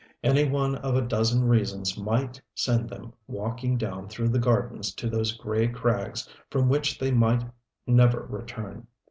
Any one of a dozen reasons might send them walking down through the gardens to those gray crags from which they might never return.